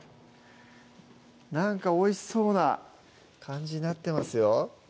なんかおいしそうな感じになってますよ